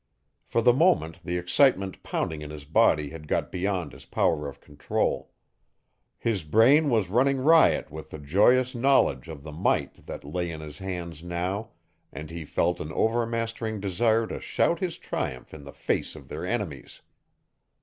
For the moment the excitement pounding in his body had got beyond his power of control. His brain was running riot with the joyous knowledge of the might that lay in his hands now and he felt an overmastering desire to shout his triumph in the face of their enemies.